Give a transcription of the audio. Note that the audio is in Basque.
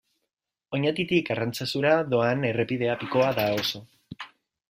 Oñatitik Arantzazura doan errepidea pikoa da oso.